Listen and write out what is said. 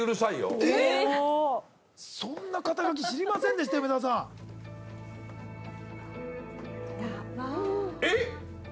そんな肩書知りませんでした梅沢さんうわーえっ！